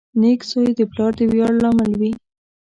• نېک زوی د پلار د ویاړ لامل وي.